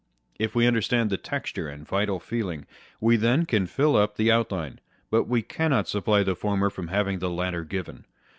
If we understand the texture and vital feeling, we then can fill up the outline, but we cannot supply the former from having the latter given.